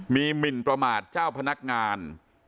มีหมินประมาทเจ้าพนักงาน